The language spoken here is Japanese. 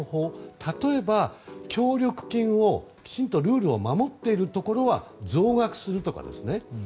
例えば協力金、きちんとルールを守っているところは増額するとか。